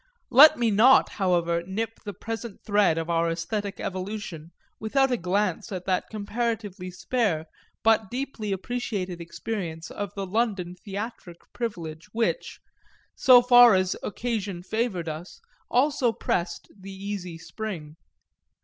Let me not, however, nip the present thread of our æsthetic evolution without a glance at that comparatively spare but deeply appreciated experience of the London theatric privilege which, so far as occasion favoured us, also pressed the easy spring.